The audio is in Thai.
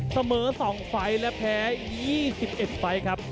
เสมอ๒ไฟล์และแพ้๒๑ไฟล์ครับ